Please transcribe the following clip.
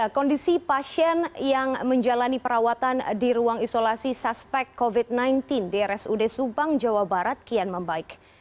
kondisi pasien yang menjalani perawatan di ruang isolasi suspek covid sembilan belas di rsud subang jawa barat kian membaik